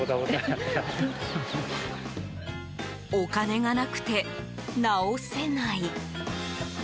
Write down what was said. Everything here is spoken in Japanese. お金がなくて直せない。